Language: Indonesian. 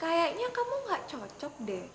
kayaknya kamu gak cocok deh